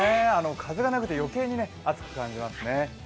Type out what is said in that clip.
風がなくて余計に暑く感じますね。